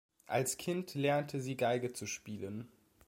Als Kind lernte sie Geige zu spielen.